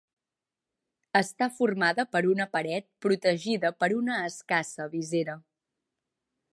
Està formada per una paret protegida per una escassa visera.